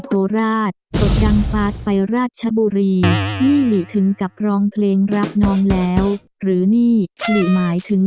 โคราชจบดังฟ้าไปราชบุรีนี่หลิถึงกับร้องเพลงรับน้องแล้วหรือนี่หลีหมายถึง